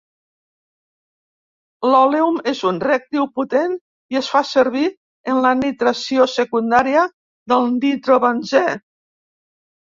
L'òleum és un reactiu potent i es fa servir en la nitració secundària del nitrobenzè.